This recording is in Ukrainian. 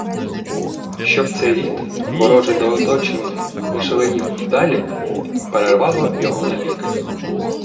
І щоб цей рід, ворожий до оточення, не шаленів і далі, – перервало його навіки